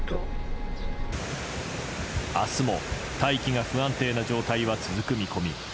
明日も大気が不安定な状態は続く見込み。